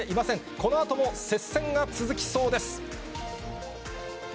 このあとも接戦が続きそうです。